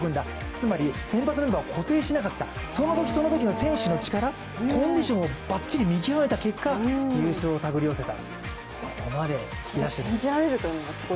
つまり先発メンバーを固定しなかったそのときそのときの選手の力、コンディションをばっちり見極めた結果、優勝を手繰り寄せた。